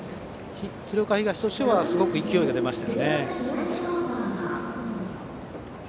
鶴岡東としてはすごく勢いが出ましたね。